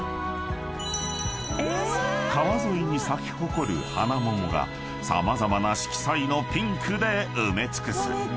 ［川沿いに咲き誇る花桃が様々な色彩のピンクで埋め尽くす］